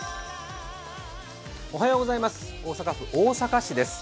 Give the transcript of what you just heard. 大阪府大阪市です。